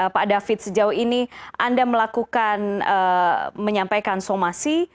pak david sejauh ini anda melakukan menyampaikan somasi